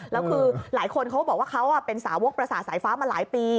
แล้วคือหลายคนเขาบอกว่าเขาเป็นสาวกประสาทสายฟ้ามาหลายปี